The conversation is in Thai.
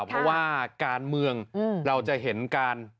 เพราะว่าการเมืองเราจะเห็นการ